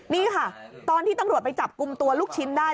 นี่ค่ะตอนที่ตำรวจไปจับกลุ่มตัวลูกชิ้นได้